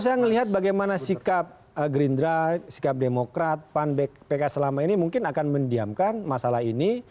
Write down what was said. saya melihat bagaimana sikap gerindra sikap demokrat pan pks selama ini mungkin akan mendiamkan masalah ini